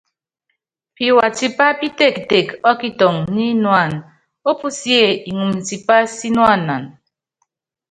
Piwa tipá pítektek ɔ́kitɔŋɔ nyínuána opusíe iŋumu tipa sínuana.